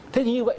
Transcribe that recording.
thế như vậy